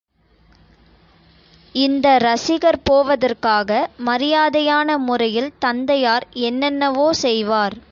இந்த இரசிகர் போவதற்காக மரியாதையான முறையில் தந்தையார் என்னென்னவோ செய்வார்.